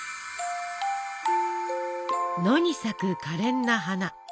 野に咲くかれんな花。